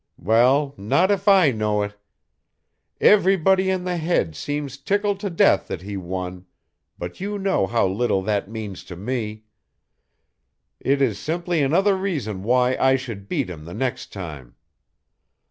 Well, not if I know it! Everybody in the Head seems tickled to death that he won, but you know how little that means to me. It is simply another reason why I should beat him the next time.